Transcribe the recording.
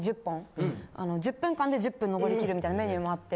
１０分間で１０本登りきるみたいなメニューもあって。